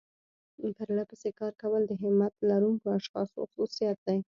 پرلپسې کار کول د همت لرونکو اشخاصو خصوصيت دی.